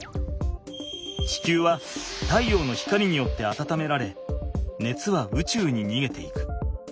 地球は太陽の光によってあたためられねつはうちゅうににげていく。